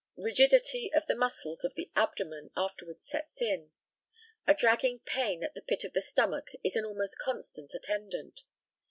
Rigidity of the muscles of the abdomen afterwards sets in. A dragging pain at the pit of the stomach is an almost constant attendant.